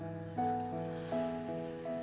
ya udah kamu sih lat